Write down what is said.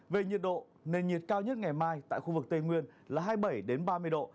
về nhiệt độ nền nhiệt cao nhất ngày mai tại khu vực tây nguyên là hai mươi bảy ba mươi độ